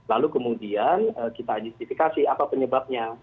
lalu kemudian kita identifikasi apa penyebabnya